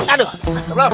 aduh udah belum